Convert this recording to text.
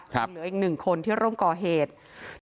ยังเหลืออีก๑คนที่ร่วมก่อเหตุ